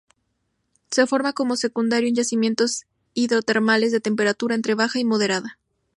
Se forma como secundario en yacimientos hidrotermales de temperatura entre baja y moderada.